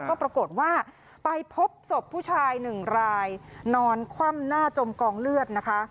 ก็ปรากฏว่าไปพบศพผู้ชายหนึ่งรายนอนคว่ำหน้าจมกองเลือดนะคะ